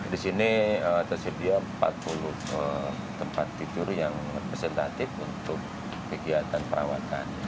di sini tersedia empat puluh tempat tidur yang representatif untuk kegiatan perawatan